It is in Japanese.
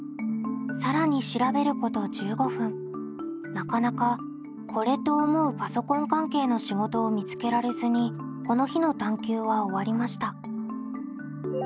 なかなかこれと思うパソコン関係の仕事を見つけられずにこの日の探究は終わりました。